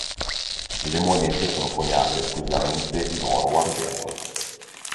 Le monete sono coniate esclusivamente in oro o argento.